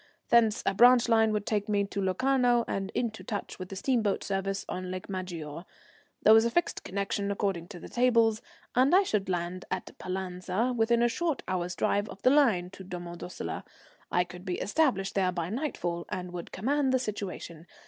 Thence a branch line would take me to Locarno and into touch with the steamboat service on Lake Maggiore. There was a fixed connection according to the tables, and I should land at Pallanza within a short hour's drive of the line to Domo Dossola. I could be established there by nightfall and would command the situation.